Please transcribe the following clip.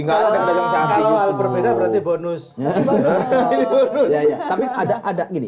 kalau hal berbeda berarti bonus